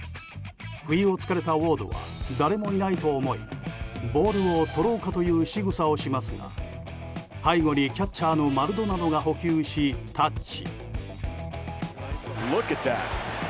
不意を突かれたウォードは誰もいないと思いボールをとろうかという仕草をしますが背後にキャッチャーのマルドナドが捕球しタッチ。